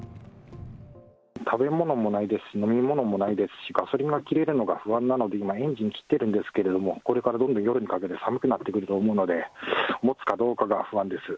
食べ物もないですし、飲み物もないですし、ガソリンが切れるのが不安なので、今、エンジン切ってるんですけど、これから特に夜にかけて寒くなってくると思うので、もつかどうかが不安です。